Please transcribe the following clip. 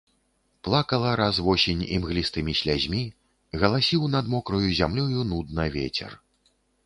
Плакала раз восень імглістымі слязьмі, галасіў над мокраю зямлёю нудна вецер.